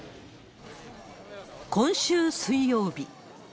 今週水曜日。